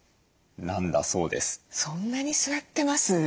そんなに座ってます？